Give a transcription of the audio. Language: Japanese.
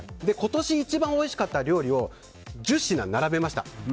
今年、一番おいしかった料理を１０品、並べました。